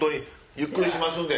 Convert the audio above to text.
ゆっくりしますんで。